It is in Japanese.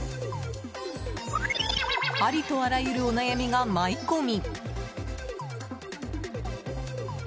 ありとあらゆるお悩みが舞い込み。